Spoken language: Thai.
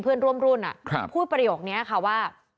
เพื่อนร่วมรุ่นพูดประโยคนี้ค่ะว่า